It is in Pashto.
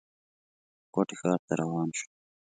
کوټې ښار ته روان شو.